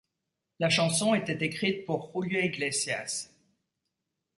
La chanson était écrite pour Julio Iglesias.